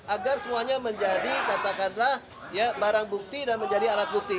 agar semuanya menjadi katakanlah barang bukti dan menjadi alat bukti